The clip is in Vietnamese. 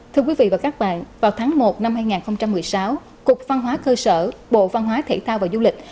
thưa quý vị và các bạn vào tháng một năm hai nghìn một mươi sáu cục văn hóa cơ sở bộ văn hóa thể thao và du lịch